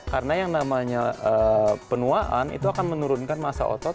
karena yang namanya penuaan itu akan menurunkan masa otot